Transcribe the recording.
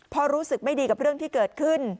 พอรู้สึกไม่ดีกับเรื่องที่เกิดขึ้น